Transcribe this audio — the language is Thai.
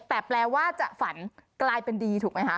แต่แปลว่าจะฝันกลายเป็นดีถูกไหมคะ